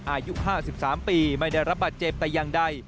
อายุ๕๓ปีไม่ได้รับบาดเจ็บแต่อย่างใด